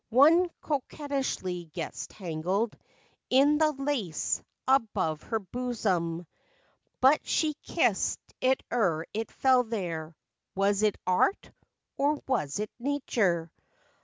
One coquettishly gets tangled In the lace above her bosom; FACTS AND FANCIES. But she kissed it ere it fell there. Was it art, or was it nature?